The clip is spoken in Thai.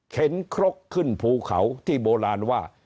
นครกขึ้นภูเขาที่โบราณว่า